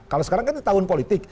kalau sekarang kan tahun politik